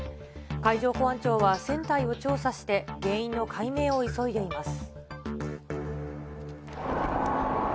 海上保安庁は、船体を調査して、原因の解明を急いでいます。